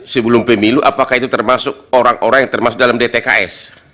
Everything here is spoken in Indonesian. sebelum pemilu apakah itu termasuk orang orang yang termasuk dalam dtks